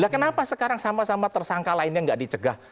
kenapa sekarang sama sama tersangka lainnya nggak dicegah